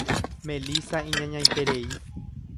Melissa iñañaiterei.